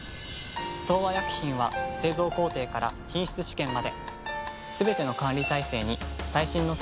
東和薬品は製造工程から品質試験まですべての管理体制に最新の機器や技術を導入。